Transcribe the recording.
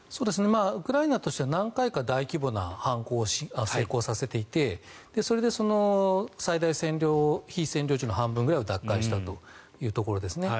ウクライナとしては何回か大規模な反攻を成功させていてそれで最大占領地の半分ぐらいを奪還したということですね。